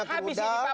bukan hanya rudal